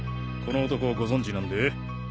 この男をご存じなんで？